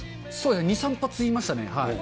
２、３発言いましたね。